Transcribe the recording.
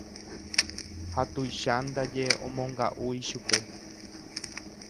Ha tuicha ndaje omonga'u ichupe.